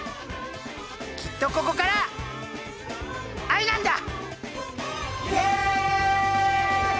きっとここから藍なんだ！